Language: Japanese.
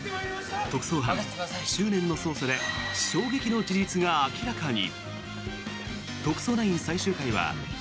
特捜班、執念の捜査で衝撃の事実が明らかに。